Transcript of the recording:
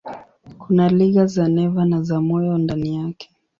Kuna liga za neva na za moyo ndani yake.